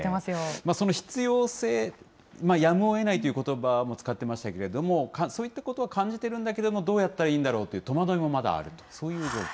その必要性、やむをえないということばも使ってましたけれども、そういったことは感じてるんだけれども、どうやったらいいんだろうという戸惑いもまだあると、そういう状況。